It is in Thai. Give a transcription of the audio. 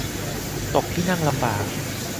ตกที่นั่งลำบาก